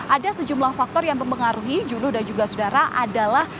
ada sejumlah faktor yang mempengaruhi judo dan juga saudara adalah